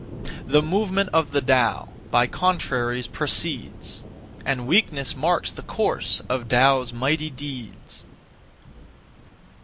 The movement of the Tao By contraries proceeds; And weakness marks the course Of Tao's mighty deeds.